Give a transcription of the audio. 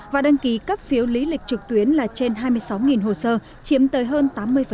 và đăng ký cấp phiếu lý lịch trực tuyến là trên hai mươi sáu hồ sơ chiếm tới hơn tám mươi